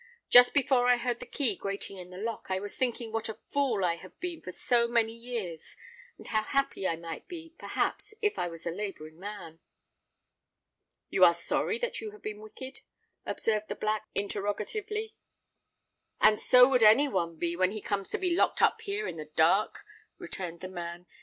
"Just before I heard the key grating in the lock, I was a thinking what a fool I have been for so many years, and how happy I might be, perhaps, if I was a labouring man." "You are sorry that you have been wicked?" observed the Black, interrogatively. "And so would any one be when he comes to be locked up here in the dark," returned the man.